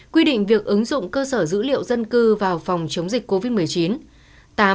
quy định việc ứng dụng cơ sở dữ liệu dân cư vào phòng chống dịch covid một mươi chín